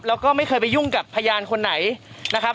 แล้วก็ไม่เคยไปยุ่งกับพยานคนไหนนะครับ